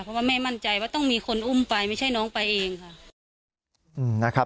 เพราะว่าแม่มั่นใจว่าต้องมีคนอุ้มไปไม่ใช่น้องไปเองค่ะ